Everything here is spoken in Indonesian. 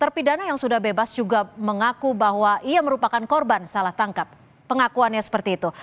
terpidana yang sudah bebas juga mengaku bahwa ia merupakan korban salah tangkap pengakuannya seperti itu